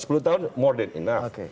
sepuluh tahun more than enough